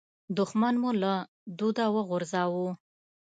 دوښمن مو له دوده وغورځاوو.